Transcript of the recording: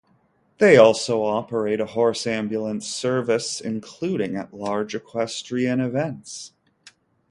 They also operate a horse ambulance service, including at large equestrian events.